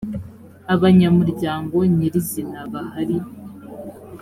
abanyamuryango nyir izina bahari